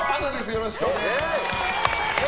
よろしくお願いします。